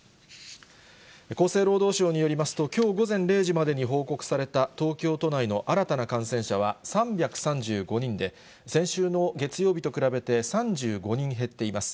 厚生労働省によりますと、きょう午前０時までに報告された東京都内の新たな感染者は３３５人で、先週の月曜日と比べて３５人減っています。